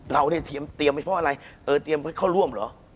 เราทำเพราะอะไรเตรียมข้อร่วมเหรอ